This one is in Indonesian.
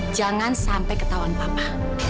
jangan sampe ketahuan papa